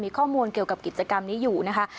มีข้อมูลเกี่ยวกับกิจกรรมนี้อยู่นะคะ